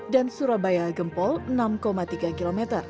dan surabaya gempol enam tiga km